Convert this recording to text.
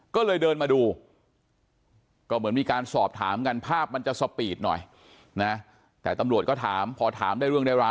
ก็เลยเดินมาดู